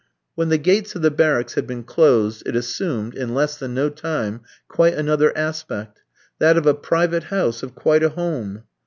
When the gates of the barracks had been closed, it assumed, in less than no time, quite another aspect that of a private house, of quite a home.